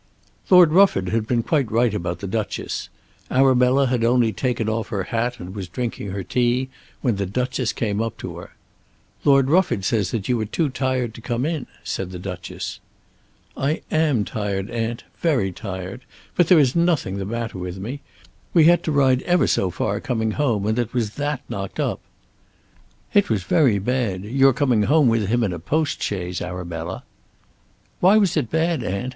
Lord Rufford had been quite right about the Duchess. Arabella had only taken off her hat and was drinking her tea when the Duchess came up to her. "Lord Rufford says that you were too tired to come in," said the Duchess. "I am tired, aunt; very tired. But there is nothing the matter with me. We had to ride ever so far coming home and it was that knocked me up." "It was very bad, your coming home with him in a postchaise, Arabella." "Why was it bad, aunt?